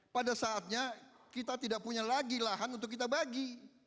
pada saatnya kita tidak punya lagi lahan untuk kita bagi